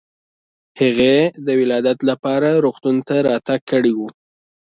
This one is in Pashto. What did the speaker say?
هغې د ولادت لپاره روغتون ته راتګ کړی و.